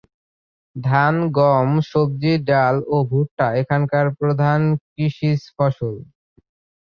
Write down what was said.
ধান, গম, সবজি, ডাল ও ভুট্টা এখানকার প্রধান কৃষিজ ফসল।